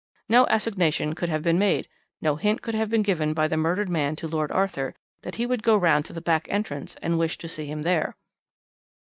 No assignation could have been made, no hint could have been given by the murdered man to Lord Arthur that he would go round to the back entrance and wished to see him there.